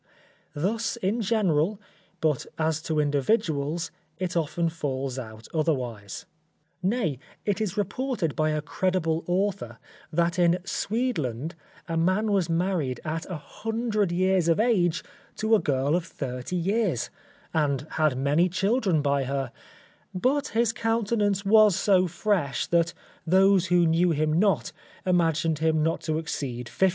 Thus, in general, but as to individuals, it often falls out otherwise. Nay, it is reported by a credible author, that in Swedland, a man was married at 100 years of age to a girl of 30 years, and had many children by her; but his countenance was so fresh, that those who knew him not, imagined him not to exceed 50.